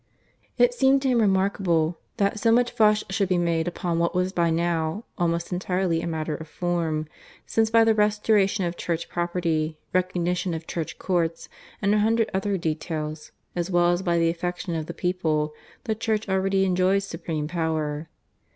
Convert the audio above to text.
It seemed to him remarkable that so much fuss should be made upon what was by now almost entirely a matter of form, since by the restoration of Catholic property, recognition of Church courts, and a hundred other details, as well as by the affection of the people, the Church already enjoyed supreme power.